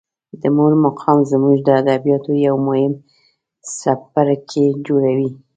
د مور مقام زموږ د ادبیاتو یو مهم څپرکی جوړوي.